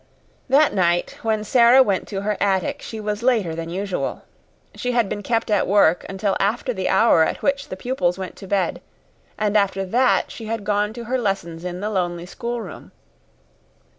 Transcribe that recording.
That night, when Sara went to her attic, she was later than usual. She had been kept at work until after the hour at which the pupils went to bed, and after that she had gone to her lessons in the lonely schoolroom.